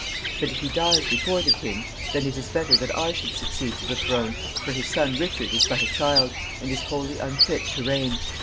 But if he dies before the king, then it is better that I should succeed to the throne, for his son Richard is but a child, and is wholly unfit to reign.